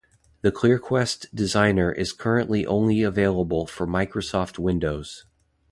The ClearQuest Designer is currently only available for Microsoft Windows.